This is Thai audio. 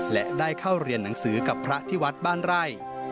และได้เข้าเรียนหนังสือกับพระที่วัดบ้านไร่